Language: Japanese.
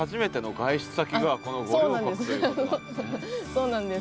そうなんです。